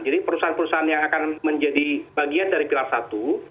jadi perusahaan perusahaan yang akan menjadi bagian dari pilar satu